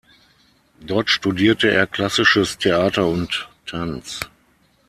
Dort studierte er klassisches Theater und Tanz.